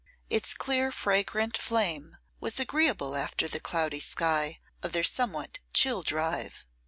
Its clear, fragrant flame was agreeable after the cloudy sky of their somewhat chill drive.